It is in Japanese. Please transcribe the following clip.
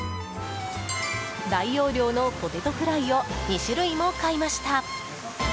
大容量のポテトフライを２種類も買いました。